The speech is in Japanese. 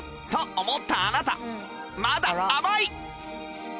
と思ったあなたまだ甘い！